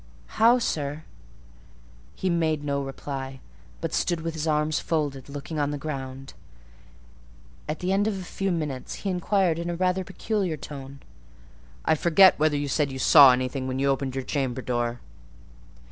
"How, sir?" He made no reply, but stood with his arms folded, looking on the ground. At the end of a few minutes he inquired in rather a peculiar tone— "I forget whether you said you saw anything when you opened your chamber door."